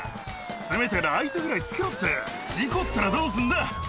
せめてライトぐらいつけろって事故ったらどうすんだ。